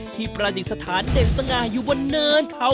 ประดิษฐานเด่นสง่าอยู่บนเนินเขา